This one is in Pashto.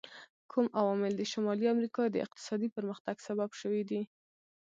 کوم عوامل د شمالي امریکا د اقتصادي پرمختګ سبب شوي دي؟